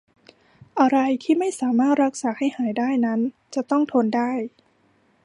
อะไรที่ไม่สามารถรักษาให้หายได้นั้นจะต้องทนได้